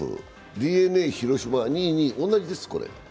ＤｅＮＡ、広島、２位で同じです。